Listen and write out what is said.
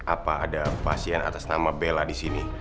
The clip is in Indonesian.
apa ada pasien atas nama bella di sini